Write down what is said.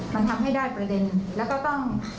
มันทำให้ได้ประเด็นแล้วก็ต้อง